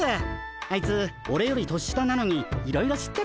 あいつオレより年下なのにいろいろ知ってて。